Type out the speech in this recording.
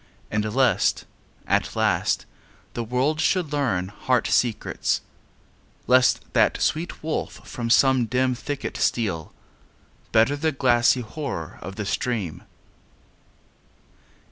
And lest, at last, the world should learn heart secrets; Lest that sweet wolf from some dim thicket steal; Better the glassy horror of the stream.